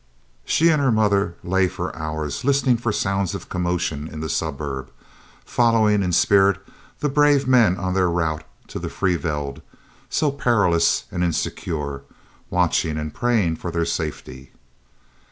She and her mother lay for hours listening for sounds of commotion in the suburb, following in spirit the brave men on their route to the free veld, so perilous and insecure, watching and praying for their safety.